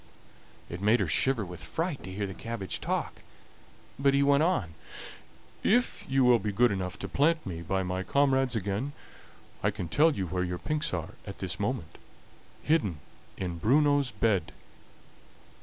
It made her shiver with fright to hear the cabbage talk, but he went on: "If you will be good enough to plant me by my comrades again, I can tell you where your pinks are at this moment hidden in Bruno's bed!"